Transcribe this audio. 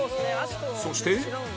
そして